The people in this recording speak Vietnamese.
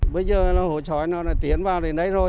bây giờ hồ xói tiến vào đến đây rồi